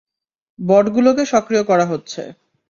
বটগুলোকে সক্রিয় করা হচ্ছে!